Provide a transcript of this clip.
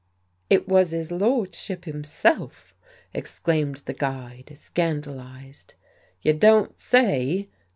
"It was 'is lordship himself!" exclaimed the guide, scandalized. "You don't say!"